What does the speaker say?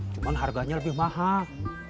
cuma harganya lebih mahal